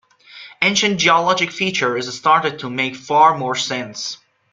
Ancient geologic features started to make far more sense.